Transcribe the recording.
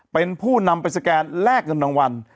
เป็นผู้นำไปสแกนแลกเงินรางวัล